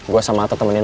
gue sama ata temenin lo